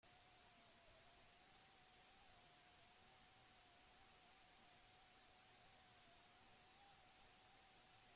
Bai eskatuko dizute nekazaritza ekologikoan onartuta dagoen salda bordelesa erosteko?